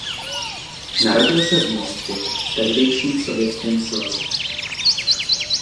Narodil se v Moskvě v tehdejším Sovětském svazu.